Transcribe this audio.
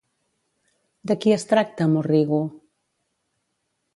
De qui es tracta Morrigu?